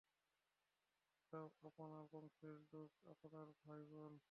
সব আপনার বংশের লোক, আপনার ভাই, বোন।